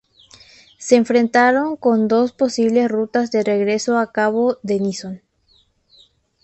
Se enfrentaron con dos posibles rutas de regreso a Cabo Denison.